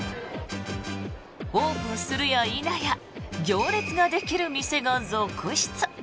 オープンするや否や行列ができる店が続出。